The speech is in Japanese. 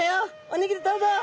おにぎりどうぞ」。